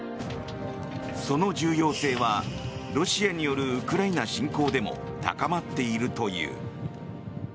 その重要性はロシアによるウクライナ侵攻でも高まっているという。